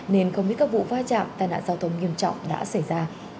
nên không biết các vụ phá trạm tai nạn giao thông nghiêm trọng đã xảy ra